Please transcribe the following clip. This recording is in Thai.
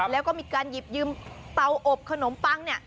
แล้วก็มีการหยิบยืมเตาอบขนมปัง